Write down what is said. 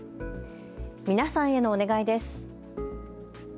皆さんへのお願いです。